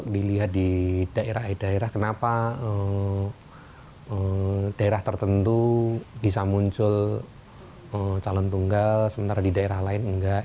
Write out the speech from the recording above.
dilihat di daerah daerah kenapa daerah tertentu bisa muncul calon tunggal sementara di daerah lain enggak